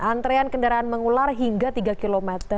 antrean kendaraan mengular hingga tiga km